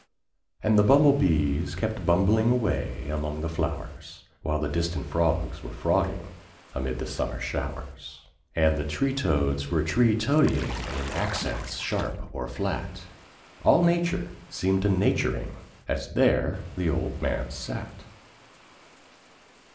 And the bumble bees kept bumbling away among the flowers, While distant frogs were frogging amid the summer showers, And the tree toads were tree toadying in accents sharp or flat— All nature seemed a naturing as there the old man sat.